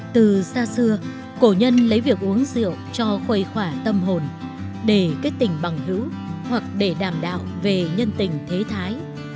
từ xa xưa cổ nhân lấy việc uống rượu cho khuây khỏa tâm hồn để kết tình bằng hữu hoặc để đảm đạo về nhân tình thế thái